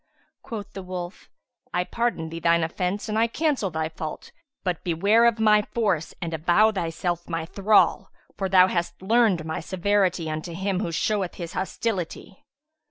'" Quoth the wolf, "I pardon thine offence and I cancel thy fault; but beware of my force and avow thyself my thrall; for thou hast learned my severity unto him who showeth his hostility!"